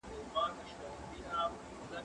زه به سبزیجات تيار کړي وي،